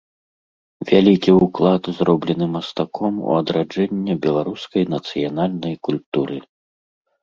Вялікі ўклад зроблены мастаком у адраджэнне беларускай нацыянальнай культуры.